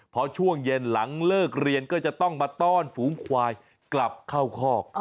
พอช่วงเย็นหลังเลิกเรียนก็จะต้องมาต้อนฝูงควายกลับเข้าคอก